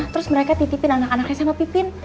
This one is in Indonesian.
terus mereka titipin anak anaknya sama pipin